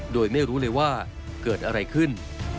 โดยไม่รู้เลยว่าเกิดอะไรขึ้น